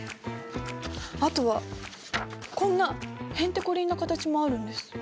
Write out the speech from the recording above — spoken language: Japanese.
あとはこんなへんてこりんな形もあるんです。